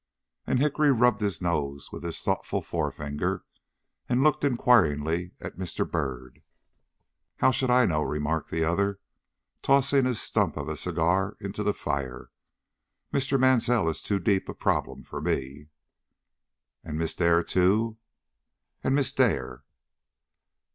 And Hickory rubbed his nose with his thoughtful forefinger, and looked inquiringly at Mr. Byrd. "How should I know?" remarked the other, tossing his stump of a cigar into the fire. "Mr. Mansell is too deep a problem for me." "And Miss Dare too?" "And Miss Dare."